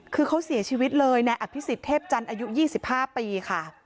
คือเขาเสียชีวิตเลยในอภิษฎเทพจันทร์อายุ๒๕ปีค่ะ